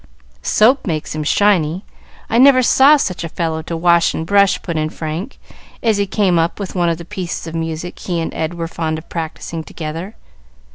"Soap makes him shiny; I never saw such a fellow to wash and brush," put in Frank, as he came up with one of the pieces of music he and Ed were fond of practising together.